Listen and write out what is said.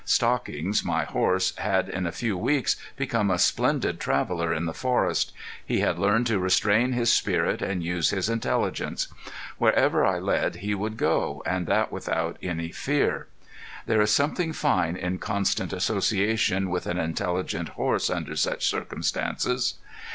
Stockings, my horse, had in a few weeks become a splendid traveler in the forest. He had learned to restrain his spirit and use his intelligence. Wherever I led he would go and that without any fear. There is something fine in constant association with an intelligent horse under such circumstances.